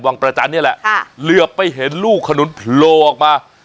วังประจานเนี่ยแหละค่ะเรียบไปเห็นลูกขนุนโผล่ออกมา